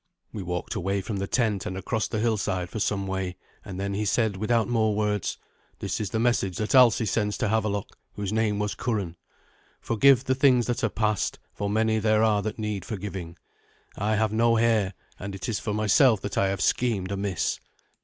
We walked away from the tent and across the hillside for some way, and then he said without more words, "This is the message that Alsi sends to Havelok, whose name was Curan. 'Forgive the things that are past, for many there are that need forgiving. I have no heir, and it is for myself that I have schemed amiss.